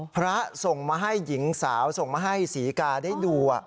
พระส่งมาให้หญิงสาวส่งมาให้ศรีกาได้ดู